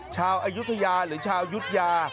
อายุทยาหรือชาวยุธยา